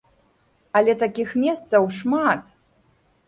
Але такіх месцаў шмат.